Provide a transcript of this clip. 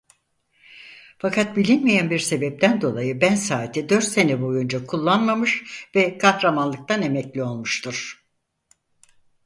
Fakat bilinmeyen bir sebepten dolayı Ben saati dört sene boyunca kullanmamış ve kahramanlıktan emekli olmuştur.